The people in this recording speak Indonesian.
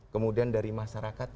kemudian dari masyarakat